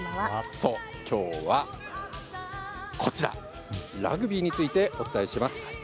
きょうはこちら、ラグビーについてお伝えします。